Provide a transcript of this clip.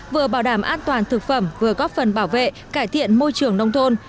vừa bảo đảm an toàn thực phẩm vừa góp phần bảo vệ cải thiện môi trường nông thôn